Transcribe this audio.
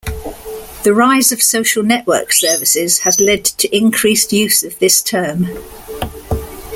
The rise of social network services has led to increased use of this term.